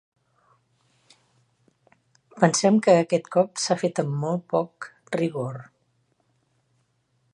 Pensem que aquest cop s'ha fet amb molt poc rigor.